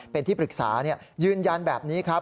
เป็นที่ปรึกษายืนยันแบบนี้ครับ